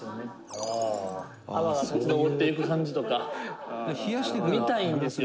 「泡が立ち上っていく感じとか見たいんですよ」